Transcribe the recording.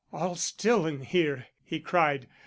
"All still in here," he cried.